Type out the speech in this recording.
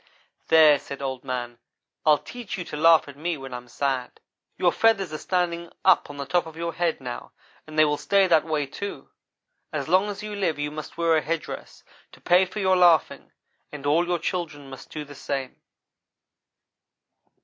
"'There,' said Old man, 'I'll teach you to laugh at me when I'm sad. Your feathers are standing up on the top of your head now and they will stay that way, too. As long as you live you must wear a head dress, to pay for your laughing, and all your children must do the same.